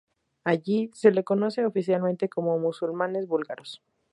Allí se les conoce oficialmente como musulmanes búlgaros.